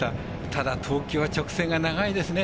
ただ、東京は直線が長いですね。